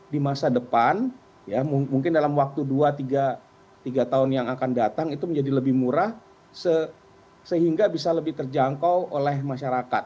di masa depan mungkin dalam waktu dua tiga tahun yang akan datang itu menjadi lebih murah sehingga bisa lebih terjangkau oleh masyarakat